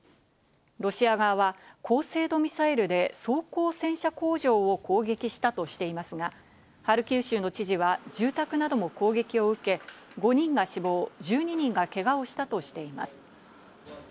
ロシア側は、高精度ミサイルで装甲戦車工場を攻撃したとしていますが、ハルキウ州の知事は住宅なども攻撃を受け、５人が死亡、１２人がけがをしたとしています。